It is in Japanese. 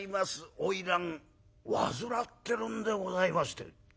花魁患ってるんでございまして」。